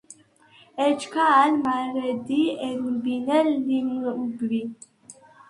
ეჩქა ალ მა̄რე̄დი̄ ენბინე ლი̄მბვი: